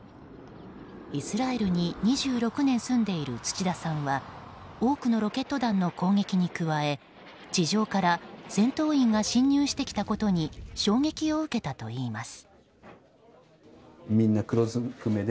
イスラエルに２６年住んでいる土田さんは多くのロケット弾の攻撃に加え地上から戦闘員が侵入してきたことに衝撃を受けたといいます。